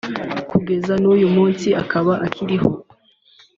kugeza n’uyu munsi akaba akiriho